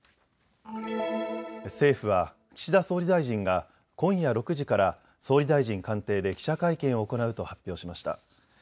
政府は岸田総理大臣が今夜６時から総理大臣官邸で記者会見を行うと発表しました。